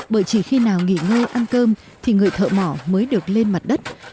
bởi chỉ khi nào nghỉ ngơi ăn cơm thì người thợ mỏ mới được lên mặt đất